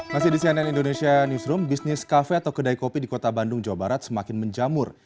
masih di cnn indonesia newsroom bisnis kafe atau kedai kopi di kota bandung jawa barat semakin menjamur